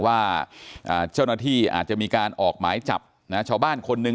ว่าเจ้าหน้าที่อาจจะมีการออกหมายจับชาวบ้านคนหนึ่ง